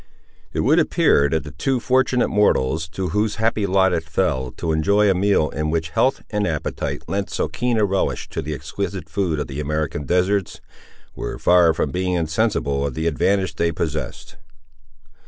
It would appear that the two fortunate mortals, to whose happy lot it fell to enjoy a meal in which health and appetite lent so keen a relish to the exquisite food of the American deserts, were far from being insensible of the advantage they possessed.